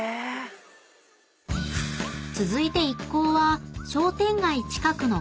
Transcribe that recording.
［続いて一行は］